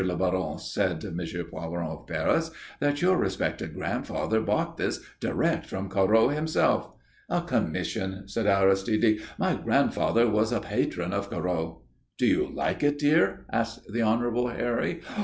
le Baron," said M. Poiron of Paris, "that your respected grandfather bought this direct from Corot himself." "A commission," said Aristide. "My grandfather was a patron of Corot." "Do you like it, dear?" asked the Honourable Harry.